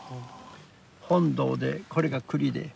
本堂でこれが庫裏で。